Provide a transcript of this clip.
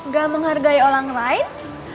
ga menghargai orang lain